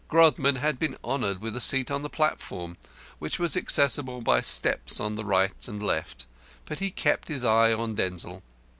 Grodman had been honoured with a seat on the platform, which was accessible by steps on the right and left, but he kept his eye on Denzil.